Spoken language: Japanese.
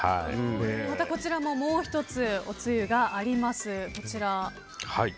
またこちらももう１つ、おつゆがあります。